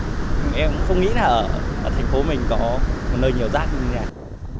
em cũng không nghĩ là ở thành phố mình có một nơi nhiều rác như thế này